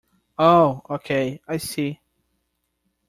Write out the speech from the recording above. Oh okay, I see.